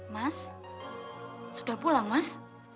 mas sudah pulang mas